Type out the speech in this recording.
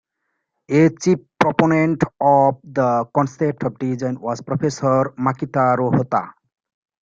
A chief proponent of the concept and design was Professor Makitaro Hotta.